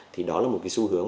thì đó là một cái sư hướng